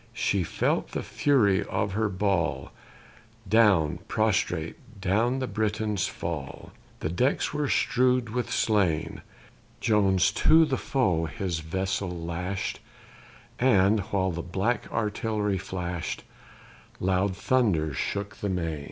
She felt the fury of her ball: Down, prostrate, down the Britons fall; The decks were strew'd with slain: Jones to the foe his vessel lash'd; And, while the black artillery flash'd, Loud thunders shook the main.